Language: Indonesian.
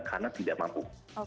karena tidak mampu